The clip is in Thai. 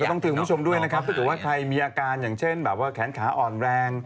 ต้องถือคุณผู้ชมด้วยครับ